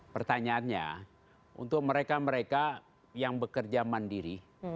pertanyaannya untuk mereka mereka yang bekerja mandiri